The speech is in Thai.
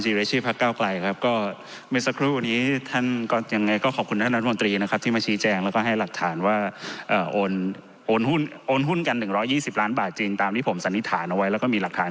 อีกท่านหนึ่งก็อดีไหมครับท่านบัคตรีท่านมีอะไรครับ